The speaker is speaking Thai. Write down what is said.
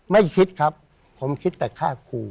ไม่คิดครับผมคิดแต่ฆ่าครู